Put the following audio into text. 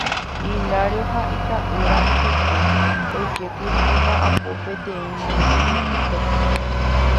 Hilario ha itaýra ypykue oikékuri omba'apo peteĩ Mandyjutýpe.